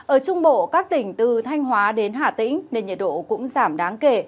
ở trung bộ các tỉnh từ thanh hóa đến hà tĩnh nên nhiệt độ cũng giảm đáng kể